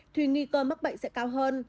thì nghi cơ mắc bệnh sẽ cao hơn